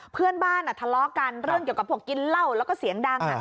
เพื่อนบ้านทะเลาะกันเรื่องเกี่ยวกับพวกกินเหล้าแล้วก็เสียงดัง